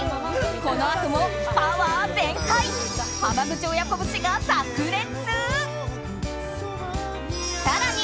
このあともパワー全開浜口親子節がさく裂！